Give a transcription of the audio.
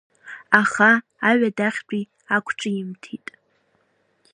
Аха Аҩадахьтәи ақәҿимҭит.